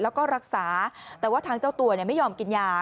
แล้วก็รักษาแต่ว่าทางเจ้าตัวไม่ยอมกินยา